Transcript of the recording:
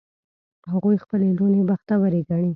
هغوی خپلې لوڼې بختوری ګڼي